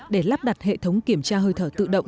để lắp đặt hệ thống kiểm tra hơi thở tự động